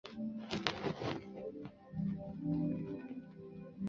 赫希斯塔特安德赖斯希是德国巴伐利亚州的一个市镇。